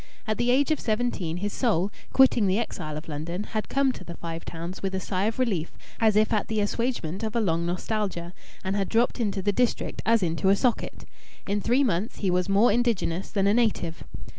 At the age of seventeen his soul, quitting the exile of London, had come to the Five Towns with a sigh of relief as if at the assuagement of a long nostalgia, and had dropped into the district as into a socket. In three months he was more indigenous than a native.